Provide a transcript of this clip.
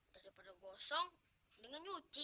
daripada gosong mendingan nyuci